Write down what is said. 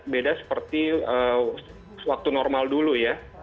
beda seperti waktu normal dulu ya